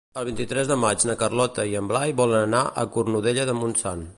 El vint-i-tres de maig na Carlota i en Blai volen anar a Cornudella de Montsant.